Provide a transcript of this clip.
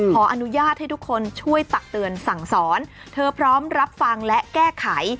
ขออนุญาตให้ทุกคนช่วยตักเตือนสั่งสอนเธอพร้อมรับฟังและแก้ไข